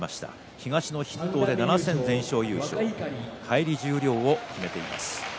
東の筆頭で７戦全勝優勝返り十両を決めています。